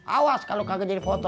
awas kalau kagak jadi foto